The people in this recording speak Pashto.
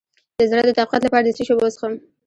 د زړه د تقویت لپاره د څه شي اوبه وڅښم؟